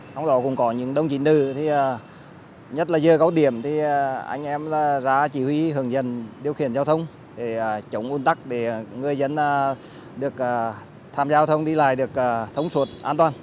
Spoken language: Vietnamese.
hôm đó cũng có những đồng chí nữ nhất là dưa gấu điểm thì anh em ra chỉ huy hướng dần điều khiển giao thông để chống ôn tắc để người dân được tham gia giao thông đi lại được thống suốt an toàn